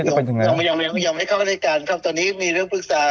ยอมให้เข้าในการครับตอนนี้มีเรื่องปรึกษา